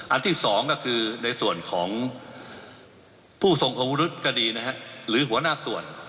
อันที่สองก็คือในส่วนของผู้ส่งของวุฒิกดีหรือหัวหน้าส่วน